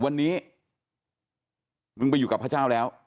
วันนี้มึงไปอยู่กับพระเจ้าแล้ว